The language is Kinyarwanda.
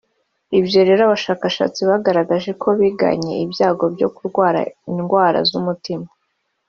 ibyo rero abashakashatsi bagaragaje ko bigabanya ibyago byo kurwara indwara z’umutima